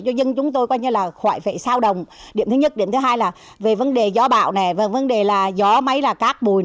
để cho dân chúng tôi quanh như là khoại vệ sao đồng điểm thứ nhất điểm thứ hai là về vấn đề gió bạo vấn đề là gió mấy là cát bùi